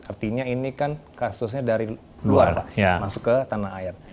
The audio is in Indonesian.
artinya ini kan kasusnya dari luar pak masuk ke tanah air